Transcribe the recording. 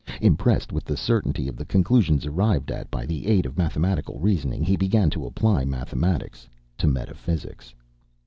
Impressed with the certainty of the conclusions arrived at by the aid of mathematical reasoning, he began to apply mathematics to metaphysics.